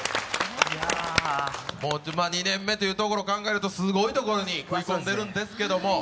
２年目っていうところを考えるとすごいところに食い込んでるんですけど。